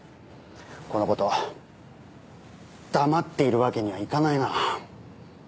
この事を黙っているわけにはいかないな。